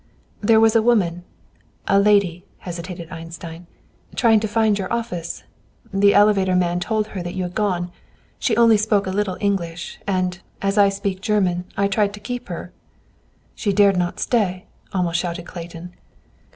"There was a woman a lady," hesitated Einstein, "trying to find your office. The elevator man told her that you had gone. She only spoke a little English, and, as I speak German, I tried to keep her" "She dared not stay!" almost shouted Clayton.